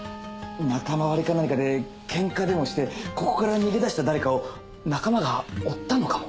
仲間割れか何かでけんかでもしてここから逃げ出した誰かを仲間が追ったのかも。